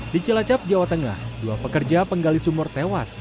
di cilacap jawa tengah dua pekerja penggali sumur tewas